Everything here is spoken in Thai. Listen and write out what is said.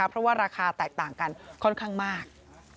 เพราะว่าราคาแตกต่างกันค่อนข้างมาก